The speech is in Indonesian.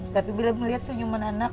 tapi bila melihat senyuman anak